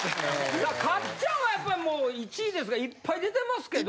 かっちゃんはやっぱもう１位ですがいっぱい出てますけど。